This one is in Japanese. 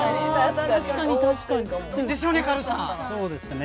確かに確かに。ですよね？